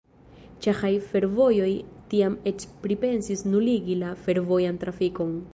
Ĉeĥaj Fervojoj tiam eĉ pripensis nuligi la fervojan trafikon.